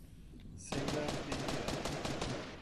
Sailor of the Year.